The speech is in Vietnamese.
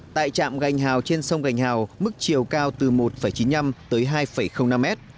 tại trạm gành hào trên sông gành hào mức chiều cao từ một chín mươi năm tới hai năm mét